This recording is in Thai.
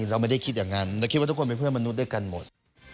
เราไม่ได้คิดอย่างนั้นเราคิดว่าทุกคนเป็นเพื่อนมนุษย์ด้วยกันหมด